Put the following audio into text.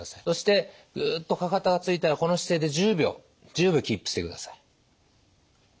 そしてグッとかかとがついたらこの姿勢で１０秒１０秒キープしてください。